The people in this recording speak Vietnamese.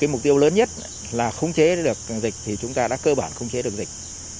mục tiêu lớn nhất là khung chế được dịch